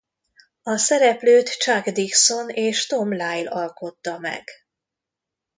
A szereplőt Chuck Dixon és Tom Lyle alkotta meg.